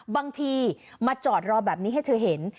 บางทีมาจอดรอแบบนี้ให้เธอเห็น